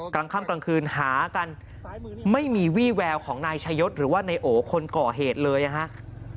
กลางค่ำกลางคืนหากันไม่มีวี่แววของนายชายศหรือว่านายโอคนก่อเหตุเลยนะครับ